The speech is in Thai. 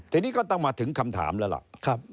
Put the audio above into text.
ทีนี้ก็ต้องมาถึงคำถามแล้วล่ะ